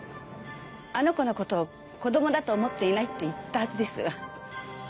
あの子のこと子供だと思っていないって言ったはずです。